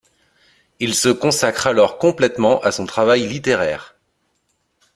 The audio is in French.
Il se consacre alors complètement à son travail littéraire.